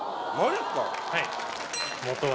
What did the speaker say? はい。